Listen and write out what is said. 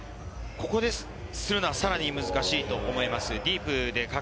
ここでするのは、さらに難しいと思います。